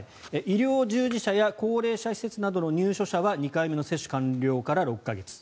医療従事者や高齢者施設などの入所者は２回目の接種完了から６か月。